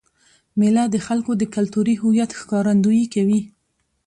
مېله د خلکو د کلتوري هویت ښکارندويي کوي.